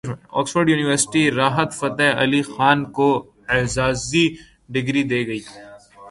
Oxford University Rahat Fateh Ali Khan کو اعزازی degree دے گی